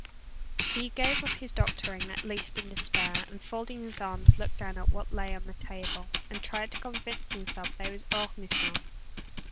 He gave up his doctoring, at last, in despair, and folding his arms, looked down at what lay on the table, and tried to convince himself that it was Ormiston.